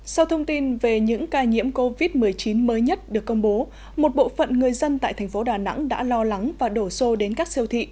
sau thông tin về những ca nhiễm covid một mươi chín mới nhất được công bố một bộ phận người dân tại thành phố đà nẵng đã lo lắng và đổ xô đến các siêu thị